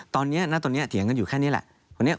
ตอนนี้ณตอนนี้เถียงกันอยู่แค่นี้แหละ